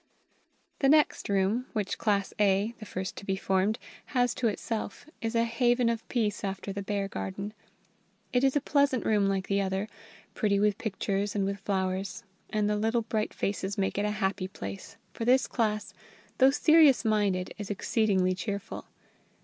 The next room which Class A (the first to be formed) has to itself is a haven of peace after the Bear garden. It is a pleasant room like the other, pretty with pictures and with flowers. And the little bright faces make it a happy place, for this class, though serious minded, is exceedingly cheerful.